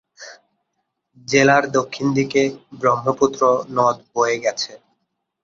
জেলার দক্ষিণ দিকে ব্রহ্মপুত্র নদ বয়ে গেছে।